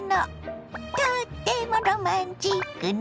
とってもロマンチックね。